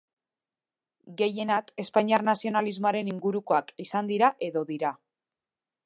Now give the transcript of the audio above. Gehienak, Espainiar nazionalismoaren ingurukoak izan dira edo dira.